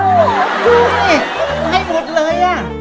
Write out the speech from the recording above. ดูสิไม่ให้มุดเลยอ่ะ